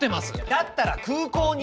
だったら空港に！